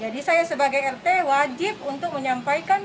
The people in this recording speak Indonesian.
jadi saya sebagai rt wajib untuk menyampaikan